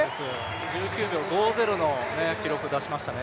１９秒５０の記録を出しましたよね。